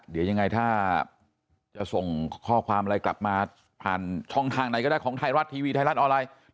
เดี๋ยวยังไงถ้าจะส่งข้อความอะไรกลับมาผ่านช่องทางไหนก็ได้ของไทยรัฐทีวีไทยรัฐออนไลน์